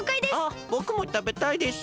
あぼくもたべたいです。